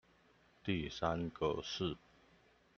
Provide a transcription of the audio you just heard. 第三個是